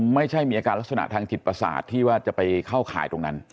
ไม่ใช่มีอาการลักษณะทางจิตประสาทที่ว่าจะไปเข้าข่ายตรงนั้น